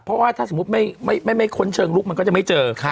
เพราะว่าถ้าสมมุติไม่ค้นเชิงลุกมันก็จะไม่เจอ